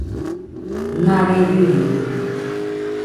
Nare riide